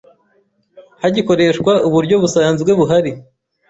hagikoreshwa uburyo busanzwe buhari